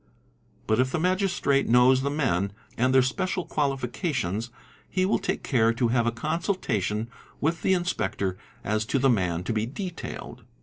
But if the Magistrate knows the men and their special quali fications, he will take care to have a consultation with the Inspector as to the man to be detailed.